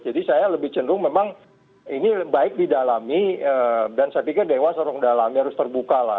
jadi saya lebih cenderung memang ini baik didalami dan saya pikir dewasa orang dalami harus terbuka lah